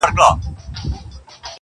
• سپین لباس د فریشتو یې په تن کړی..